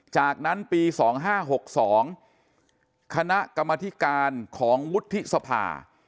จากนั้นปีสองห้าหกสองคณะกรรมนาฬิการของวุฒิสภา